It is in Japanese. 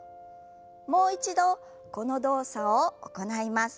もう一度この動作を行います。